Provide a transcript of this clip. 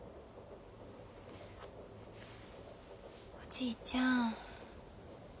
おじいちゃん